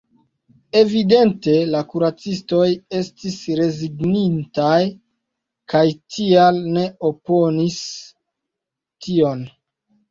Evidente la kuracistoj estis rezignintaj kaj tial ne oponis tion.